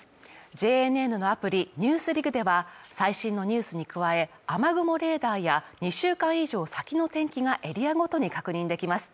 ＪＮＮのアプリ「ＮＥＷＳＤＩＧ」では最新のニュースに加え、雨雲レーダーや２週間以上先の天気がエリアごとに確認できます。